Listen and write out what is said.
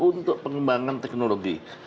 untuk pengembangan teknologi